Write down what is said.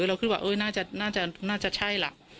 เราคิดว่าน่าจะใช่ล่ะ